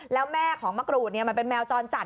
แล้วแม่ของมะกรูดมันเป็นแมวจรจัด